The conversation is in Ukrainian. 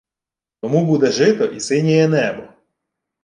Тому буде жито і синєє небо